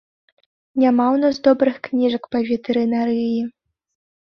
Няма ў нас добрых кніжак па ветэрынарыі.